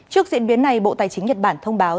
trước diễn biến này bộ tài chính nhật bản thông báo